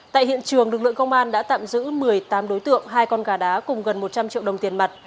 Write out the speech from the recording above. tại hiện trường lực lượng công an đã tạm giữ một mươi tám đối tượng hai con gà đá cùng gần một trăm linh triệu đồng tiền mặt